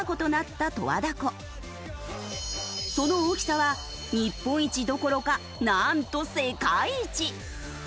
その大きさは日本一どころかなんと世界一！